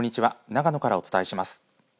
長野からお伝えします。